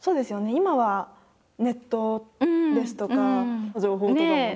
今はネットですとか情報とかもね。